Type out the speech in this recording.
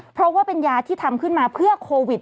เพราะว่าเป็นยาที่ทำขึ้นมาเพื่อโควิด